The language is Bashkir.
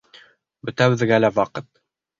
Бөтәбеҙгә лә ваҡыт.